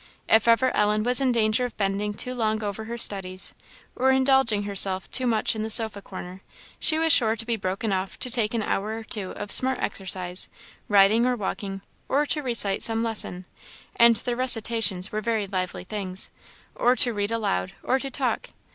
If ever Ellen was in danger of bending too long over her studies, or indulging herself too much in the sofa corner, she was sure to be broken off to take an hour or two of smart exercise, riding or walking, or to recite some lesson (and their recitations were very lively things), or to read aloud, or to talk.